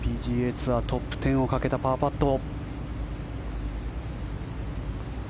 ツアートップ１０をかけたパーパット。